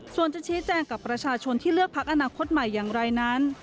ส่วนจะชี้แจงกับประชาชนที่เลือกพักอนาคตใหม่อย่างไรนั้น